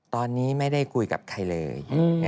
ตอนนี้ไม่ได้คุยกับใครเลย